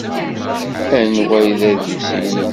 Anwa ay d adlis-nnem?